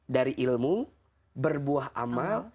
dari ilmu berbuah amal